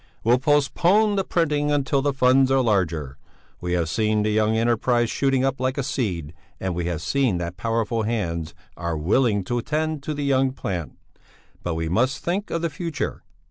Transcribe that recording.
We'll postpone the printing until the funds are larger. We have seen the young enterprise shooting up like a seed and we have seen that powerful hands are willing to tend the young plant; but we must think of the future.